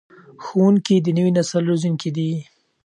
ښوونکي د نوي نسل روزونکي دي.